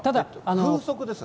風速ですか？